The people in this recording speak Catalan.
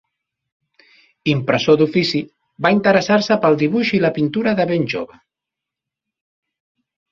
Impressor d'ofici, va interessar-se pel dibuix i la pintura de ben jove.